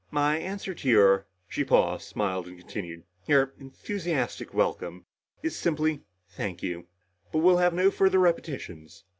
"My answer to your " she paused, smiled and continued, "your enthusiastic welcome is simply thank you. But we'll have no further repetitions.